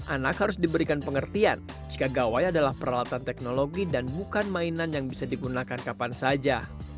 anak harus diberikan pengertian jika gawai adalah peralatan teknologi dan bukan mainan yang bisa digunakan kapan saja